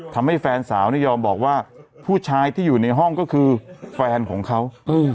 แฟนสาวเนี่ยยอมบอกว่าผู้ชายที่อยู่ในห้องก็คือแฟนของเขา